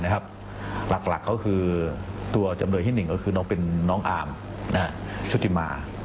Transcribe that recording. หลักตัวจำเลยที่หนึ่งก็คือน้องอาร์มชุธิมา